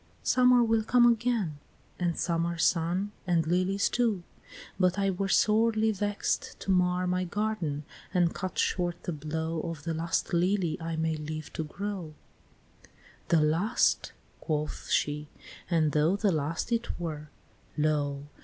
Summer will come again, and summer sun, And lilies too, but I were sorely vext To mar my garden, and cut short the blow Of the last lily I may live to grow," IX. "The last!" quoth she, "and though the last it were Lo!